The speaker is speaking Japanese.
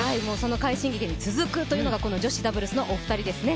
快進撃に続くというのが女子ダブルスですね。